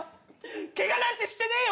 ケガなんてしてねえよ！